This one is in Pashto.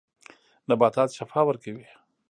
نباتات شفاء ورکوي.